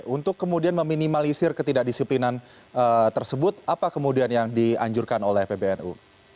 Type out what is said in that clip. untuk kemudian meminimalisir ketidakdisiplinan tersebut apa kemudian yang dianjurkan oleh pbnu